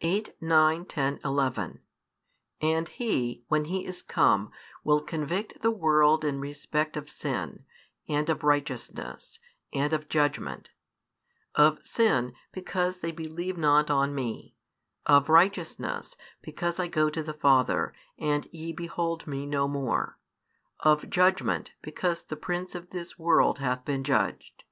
8, 9, 10, 11 And He, when He is come, will convict the world in respect of sin, and of righteousness, and of judgment: of sin, because they believe not on Me; of righteousness, because I go to the Father, and ye behold Me no more; of judgment, because the prince of this world hath been judged.